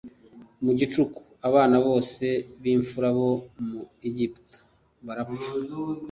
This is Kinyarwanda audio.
Mu gicuku abana bose b'imfura bo mu Egiputa barapfa.